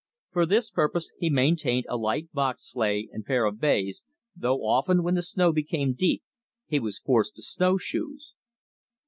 For this purpose he maintained a light box sleigh and pair of bays, though often, when the snow became deep, he was forced to snowshoes.